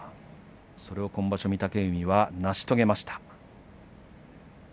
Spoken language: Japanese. それを今場所、御嶽海は成し遂げました。